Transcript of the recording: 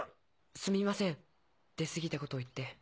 すみません出過ぎたことを言って。